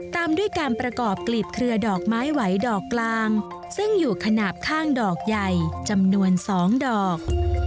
ตามด้วยการประกอบกลีบเครือดอกไม้ไหวดอกกลางซึ่งอยู่ขนาดข้างดอกใหญ่จำนวน๒ดอก